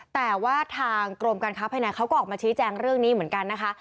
แต่ว่าทางกรมการค้าภายในเขาก็ออกมาชี้แจงเรื่องนี้เหมือนกันนะคะ